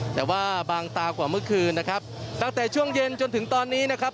แต่ว่าบางตากว่าเมื่อคืนนะครับตั้งแต่ช่วงเย็นจนถึงตอนนี้นะครับ